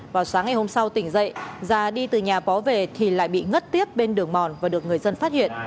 vào sáng ngày hôm sau tỉnh dậy già đi từ nhà báo về thì lại bị ngất tiếp bên đường mòn và được người dân phát hiện